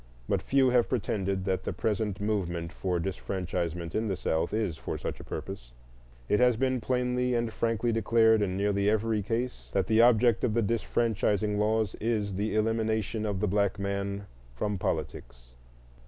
But few have pretended that the present movement for disfranchisement in the South is for such a purpose; it has been plainly and frankly declared in nearly every case that the object of the disfranchising laws is the elimination of the black man from politics.